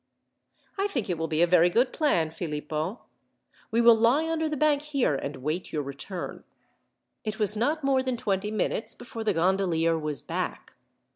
"I think it will be a very good plan, Philippo. We will lie under the bank here, and wait your return." It was not more than twenty minutes before the gondolier was back.